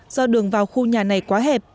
do đường vào khu nhà này quá hẹp